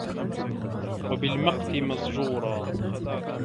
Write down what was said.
وَبِالْمَقْتِ مَزْجُورًا